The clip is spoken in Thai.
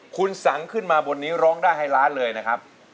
คุณสังขึ้นมาบนนี้ร้องได้ให้ล้านเลยนะครับ